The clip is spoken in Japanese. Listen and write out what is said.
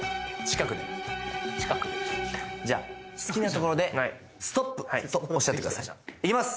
近くで近くでじゃあ好きなところでストップとおっしゃってくださいいきます